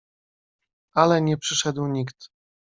"Ale nie przyszedł nikt."